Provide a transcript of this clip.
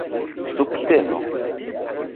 subteno